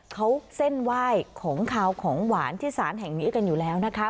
เขาเส้นไหว้ของขาวของหวานที่สารแห่งนี้กันอยู่แล้วนะคะ